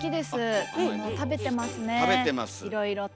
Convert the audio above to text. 食べてますねいろいろと。